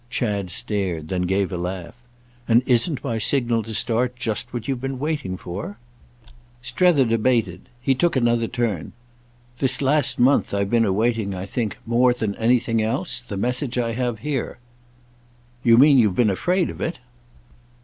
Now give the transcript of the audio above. Chad stared, then gave a laugh. "And isn't my signal to start just what you've been waiting for?" Strether debated; he took another turn. "This last month I've been awaiting, I think, more than anything else, the message I have here." "You mean you've been afraid of it?"